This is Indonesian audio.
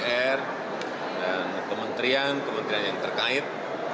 dpr dan kementerian kementerian yang terkait